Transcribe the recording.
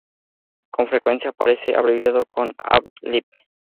Con frecuencia aparece abreviado como "ad lib.".